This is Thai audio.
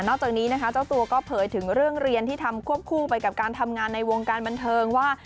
จากนี้นะคะเจ้าตัวก็เผยถึงเรื่องเรียนที่ทำควบคู่ไปกับการทำงานในวงการบันเทิงว่า